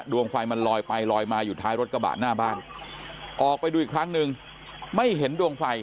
ดวงไฟมันลอยไปลอยมาอยู่ท้ายรถกระบะหน้าบ้านออกไปดูอีกครั้งนึงไม่เห็นดวงไฟ